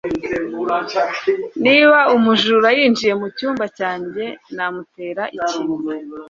Niba umujura yinjiye mucyumba cyanjye, namutera ikintu.